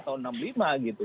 tahun enam puluh lima gitu